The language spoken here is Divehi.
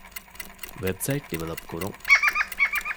ވެބްސައިޓް ޑިވެލޮޕް ކުރުން